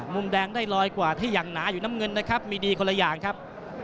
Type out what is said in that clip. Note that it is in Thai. มุมแดงได้ลอยกว่าที่อย่างหนาอยู่น้ำเงินนะครับมีดีคนละอย่างครับ